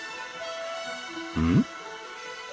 うん？